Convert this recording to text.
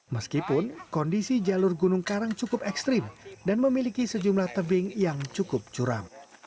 meskipun kondisi jalur gunung karang cukup ekstrim dan memiliki sejumlah tebing yang cukup curam